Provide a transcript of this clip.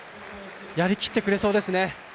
やりきってくれそうですね。